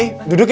eh duduk ya